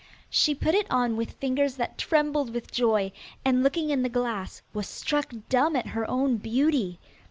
She put it on with fingers that trembled with joy, and, looking in the glass, was struck dumb at her own beauty.